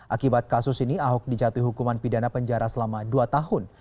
akibat kasus ini ahok dijatuhi hukuman pidana penjara selama dua tahun